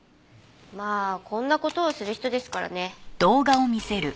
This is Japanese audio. まあこんな事をする人ですからね。